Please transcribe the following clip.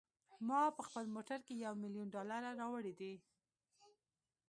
ما په خپل موټر کې یو میلیون ډالره راوړي دي.